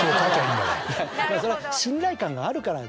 それは信頼感があるから。